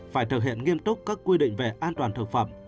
phải thực hiện nghiêm túc các quy định về an toàn thực phẩm